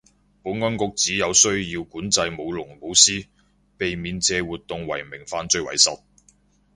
保安局指有需要管制舞龍舞獅，避免借活動為名犯法為實